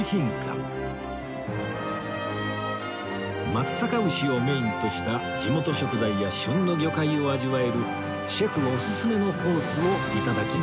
松阪牛をメインとした地元食材や旬の魚介を味わえるシェフおすすめのコースを頂きます